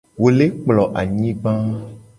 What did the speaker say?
Wo le kplo anyigba.